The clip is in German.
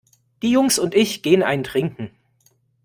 Die Jungs und ich gehen einen trinken.